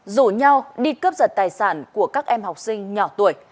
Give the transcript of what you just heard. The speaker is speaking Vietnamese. rủ nhau đi cướp giật tài sản của các em học sinh nhỏ tuổi